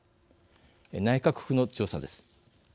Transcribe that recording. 内閣府の調査です。